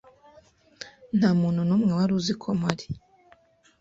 Nta muntu n'umwe wari uzi ko mpari